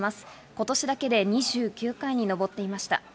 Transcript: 今年だけで２９回に上っていました。